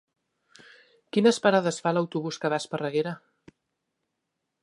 Quines parades fa l'autobús que va a Esparreguera?